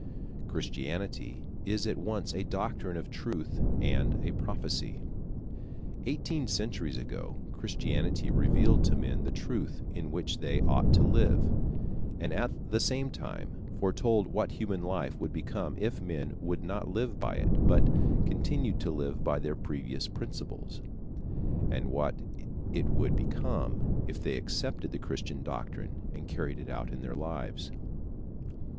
Christianity is at once a doctrine of truth and a prophecy. Eighteen centuries ago Christianity revealed to men the truth in which they ought to live, and at the same time foretold what human life would become if men would not live by it but continued to live by their previous principles, and what it would become if they accepted the Christian doctrine and carried it out in their lives.